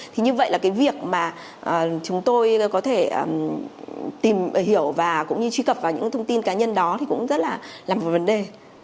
thì như vậy là cái việc mà chúng tôi có thể tìm hiểu và cũng như truy cập vào những thông tin cá nhân đó thì cũng rất là một vấn đề